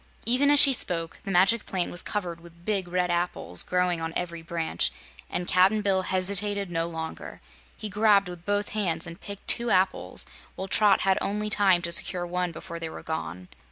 Even as she spoke, the Magic Plant was covered with big red apples, growing on every branch, and Cap'n Bill hesitated no longer. He grabbed with both hands and picked two apples, while Trot had only time to secure one before they were gone.